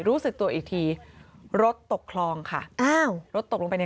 รู้สึกตัวอีกทีรถตกคลองค่ะ